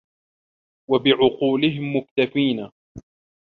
وَبِعُقُولِهِمْ مُكْتَفِينَ